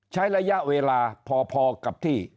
ใช้ระยะเวลาพอกับที่